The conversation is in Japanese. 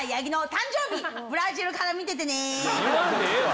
言わんでええわ！